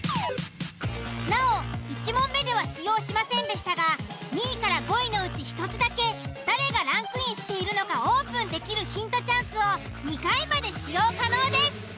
なお１問目では使用しませんでしたが２位５位のうち１つだけ誰がランクインしているのかオープンできるヒントチャンスを２回まで使用可能です。